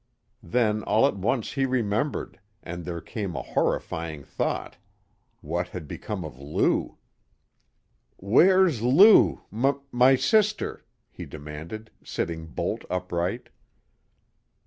Then all at once he remembered, and there came a horrifying thought. What had become of Lou? "Where's Lou? M my sister?" he demanded, sitting bolt upright.